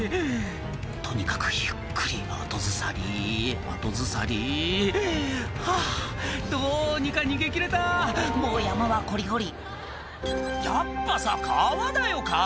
「とにかくゆっくり後ずさり後ずさり」「はぁどうにか逃げ切れたもう山はこりごり」「やっぱさ川だよ川」